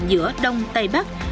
giữa đông tây bắc